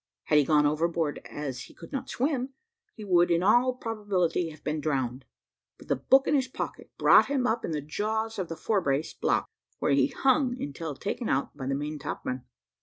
Had he gone overboard as he could not swim, he would in all probability have been drowned; but the book in his pocket brought him up in the jaws of the fore brace, block, where he hung until taken out by the main topmen.